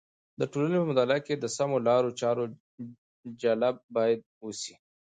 د ټولنې په مطالعه کې د سمو لارو چارو جلب باید وسي.